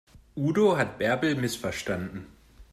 Udo hat Bärbel missverstanden.